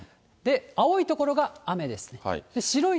青い所が雨です。